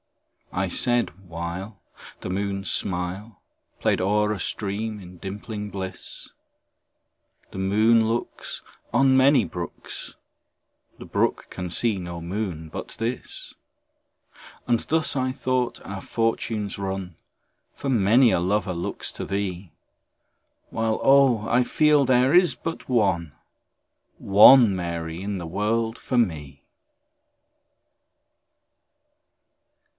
I said (while The moon's smile Played o'er a stream, in dimpling bliss,) "The moon looks "On many brooks, "The brook can see no moon but this;" And thus, I thought, our fortunes run, For many a lover looks to thee, While oh! I feel there is but one, One Mary in the world for me.